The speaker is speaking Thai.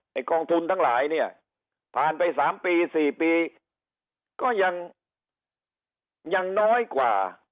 กองทุนทั้งหลายเนี่ยผ่านไป๓ปี๔ปีก็ยังยังน้อยกว่า